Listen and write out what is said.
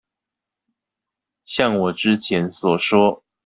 像我之前所說